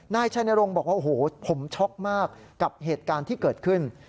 นายชัยนรงค์บอกว่าโอ้โหผมช็อกมากกับเหตุการณ์ที่เกิดขึ้น